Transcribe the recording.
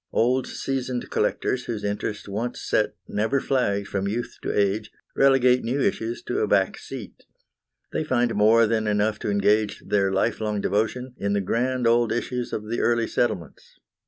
Old, seasoned collectors, whose interest once set never flags from youth to age, relegate new issues to a back seat. They find more than enough to engage their lifelong devotion in the grand old issues of the early settlements.